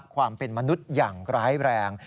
ความเป็นมนุษย์อย่างร้ายแรง